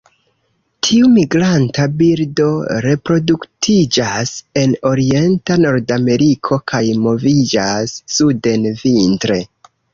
Tiu migranta birdo reproduktiĝas en orienta Nordameriko kaj moviĝas suden vintre.